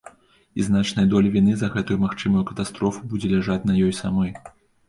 І значная доля віны за гэтую магчымую катастрофу будзе ляжаць на ёй самой.